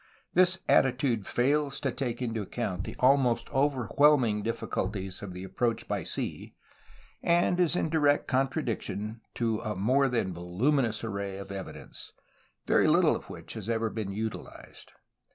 This attitude fails to take into account the almost overwhelming difficulties of the approach by sea and is in direct contradiction of a more than voluminous array of evidence, very little of which has ever been utilized.